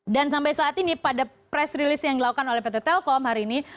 dan sampai saat ini pada press release yang dilakukan oleh pt telkom hari ini